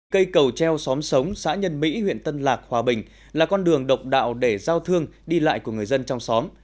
cây cầu treo xóm sống xã nhân mỹ huyện tân lạc hòa bình là con đường độc đạo để giao thương đi lại của người dân trong xóm